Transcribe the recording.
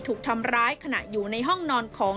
ถูกทำร้ายขณะอยู่ในห้องนอนของ